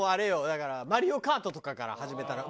だから『マリオカート』とかから始めたら？